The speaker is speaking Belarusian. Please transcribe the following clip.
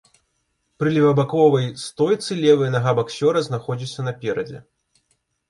Пры левабаковай стойцы левая нага баксёра знаходзіцца наперадзе.